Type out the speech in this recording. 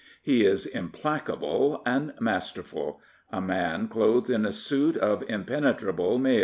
He is implacable and masterful — ^a man clothed in a suit of impenetrable mail.